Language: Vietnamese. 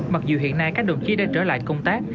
mặc dù hiện nay các đồng chí đã trở lại công tác